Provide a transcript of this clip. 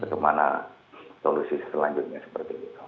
kemana solusi selanjutnya seperti itu